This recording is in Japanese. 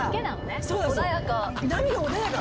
穏やか。